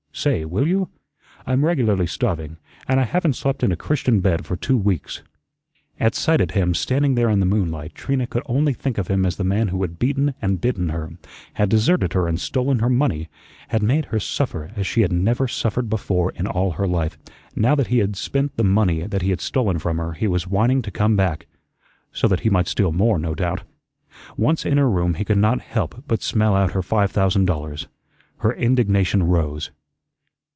Say, will you? I'm regularly starving, and I haven't slept in a Christian bed for two weeks." At sight at him standing there in the moonlight, Trina could only think of him as the man who had beaten and bitten her, had deserted her and stolen her money, had made her suffer as she had never suffered before in all her life. Now that he had spent the money that he had stolen from her, he was whining to come back so that he might steal more, no doubt. Once in her room he could not help but smell out her five thousand dollars. Her indignation rose.